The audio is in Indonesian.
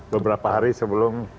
beberapa hari sebelum